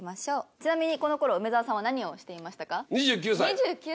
ちなみにこの頃梅沢さんは何をしていましたか？